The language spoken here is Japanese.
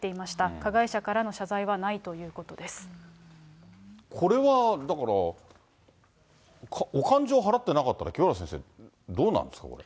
加害者からの謝罪はないというここれは、だから、お勘定払ってなかったら、清原先生、どうなんですか、これ。